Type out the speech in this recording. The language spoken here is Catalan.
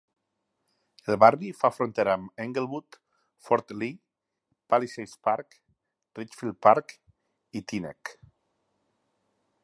El barri fa frontera amb Englewood, Fort Lee, Palisades Park, Ridgefield Park i Teaneck.